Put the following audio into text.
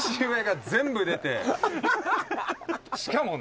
しかもね。